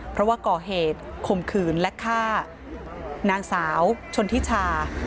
เพราะว่าก่อเหตุข่มขืนและฆ่านางสาวชนทิชา